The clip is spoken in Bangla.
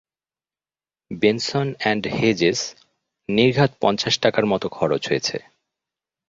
বেনসন এণ্ড হেজেস, নির্ঘাৎ পঞ্চাশ টাকার মতো খরচ হয়েছে।